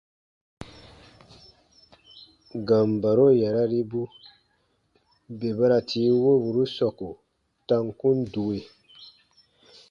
Gambaro yararibu bè ba ra tii woburu sɔku ta kun due.